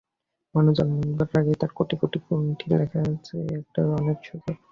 মানুষ জন্মাবার আগেই তার কোটি কোটি কুষ্ঠি লেখার চেয়ে এটা অনেক সোজা!